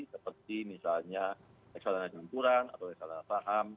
seperti misalnya reksadana janturan atau reksadana saham